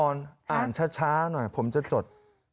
คุณพระพรอ่านช้าหน่อยผมจะจด